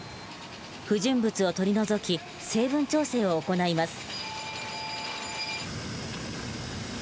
不純物を取り除き成分調整を行います。